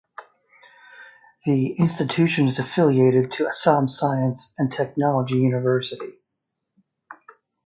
The institution is affiliated to Assam Science and Technology University.